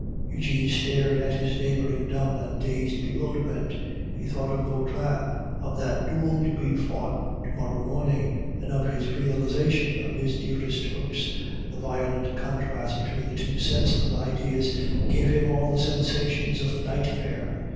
Eugene stared at his neighbor in dumb and dazed bewilderment. He thought of Vautrin, of that duel to be fought to morrow morning, and of this realization of his dearest hopes, and the violent contrast between the two sets of ideas gave him all the sensations of nightmare.